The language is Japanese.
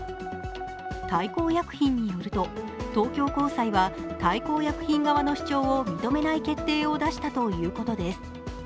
大幸薬品によると、東京高裁は大幸薬品側の主張を認めない決定を出したということです。